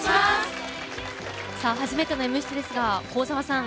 初めての「Ｍステ」ですが幸澤さん